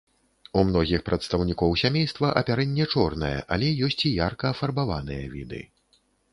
У многіх прадстаўнікоў сямейства апярэнне чорнае, але ёсць і ярка афарбаваныя віды.